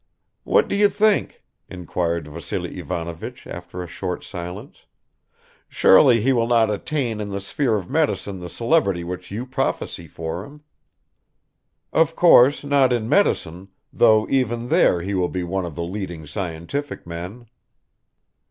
"What do you think?" inquired Vassily Ivanovich after a short silence, "surely he will not attain in the sphere of medicine the celebrity which you prophesy for him?" "Of course, not in medicine, though even there he will be one of the leading scientific men."